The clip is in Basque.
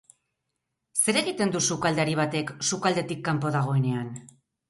Zer egiten du sukaldari batek sukaldetik kanpo dagoenean?